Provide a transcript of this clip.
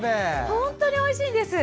本当においしいんです。